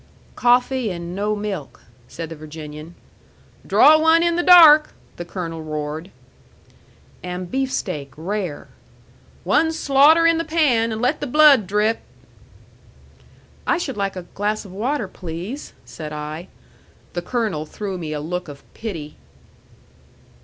"Coffee an' no milk," said the Virginian. "Draw one in the dark!" the colonel roared. "And beefsteak, rare." "One slaughter in the pan, and let the blood drip!" "I should like a glass of water, please," said I. The colonel threw me a look of pity.